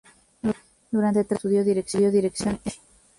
Durante tres años, estudió dirección en Múnich.